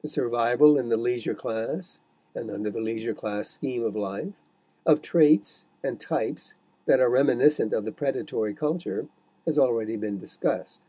The survival in the leisure class, and under the leisure class scheme of life, of traits and types that are reminiscent of the predatory culture has already been discussed.